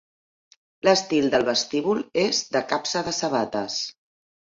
L'estil del vestíbul és de "capsa de sabates".